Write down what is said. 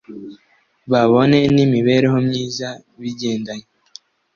babone n’imibereho myiza bigendanye